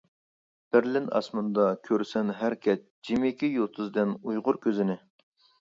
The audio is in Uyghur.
بېرلىن ئاسمىنىدا كۆرىسەن ھەر كەچ جىمىكى يۇلتۇزدىن ئۇيغۇر كۆزىنى.